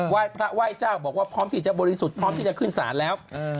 พระไหว้เจ้าบอกว่าพร้อมที่จะบริสุทธิ์พร้อมที่จะขึ้นศาลแล้ว